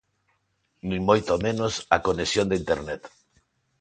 Nin moito menos, a conexión de internet.